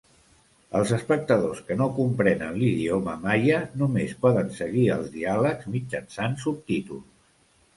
Els espectadors que no comprenen l'idioma maia només poden seguir els diàlegs mitjançant subtítols.